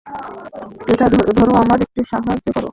এটা ধরো আমাদের একটু সাহায্য করো।